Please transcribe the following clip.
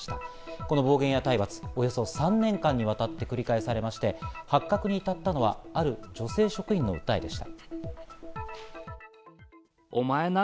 この暴言や体罰をおよそ３年間にわたって繰り返されまして発覚に至ったのはある女性職員の訴えでした。